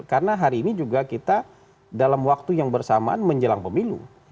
karena hari ini juga kita dalam waktu yang bersamaan menjelang pemilu